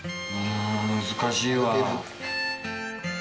難しいわ。